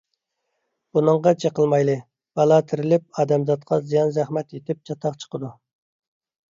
بۇنىڭغا چېقىلمايلى، بالا تېرىلىپ، ئادەمزاتقا زىيان - زەخمەت يېتىپ، چاتاق چىقىدۇ.